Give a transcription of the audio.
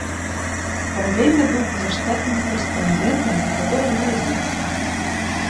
Паралельна быў пазаштатным карэспандэнтам некаторых газет.